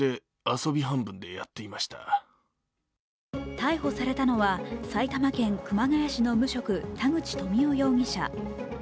逮捕されたのは埼玉県熊谷市の無職、田口富夫容疑者。